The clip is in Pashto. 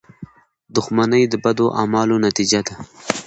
• دښمني د بدو اعمالو نتیجه ده.